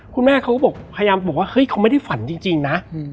คุณแม่เขาก็บอกพยายามบอกว่าเฮ้ยเขาไม่ได้ฝันจริงนะ